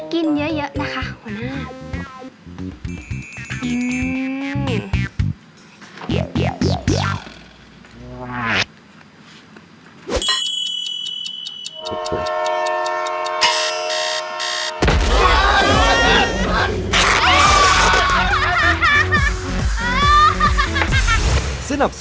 กินเยอะนะคะหัวหน้า